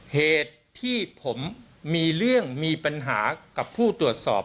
เหตุที่ผมมีเรื่องมีปัญหากับผู้ตรวจสอบ